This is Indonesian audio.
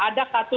oh ada satu